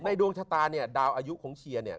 ดวงชะตาเนี่ยดาวอายุของเชียร์เนี่ย